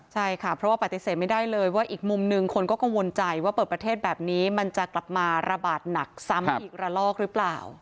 ใช่ค่ะเพราะว่าปฏิเสธไม่ได้เลยว่าอีกมุมหนึ่งคนก็กังวลใจว่าเปิดประเทศแบบนี้มันจะกลับมาระบาดหนักซ้ำอีกระลอกหรือเปล่า